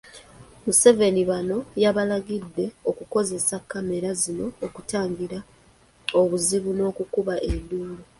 Museveni bano yabalagidde okukozesa kkamera zino okutangira obuzibu n’okukuba enduulu.